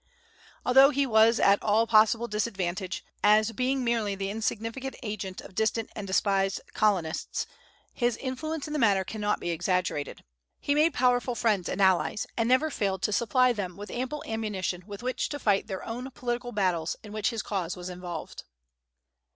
Although he was at all possible disadvantage, as being merely the insignificant agent of distant and despised Colonists, his influence in the matter cannot be exaggerated. He made powerful friends and allies, and never failed to supply them with ample ammunition with which to fight their own political battles in which his cause was involved.